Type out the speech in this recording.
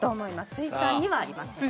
水産にはありません。